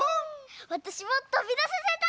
わたしもとびださせたい！